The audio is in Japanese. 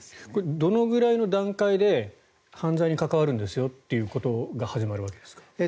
どのぐらいの段階で犯罪に関わるんですよということが始まるわけですか？